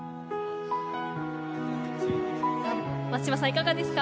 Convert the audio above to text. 松島さん、いかがですか？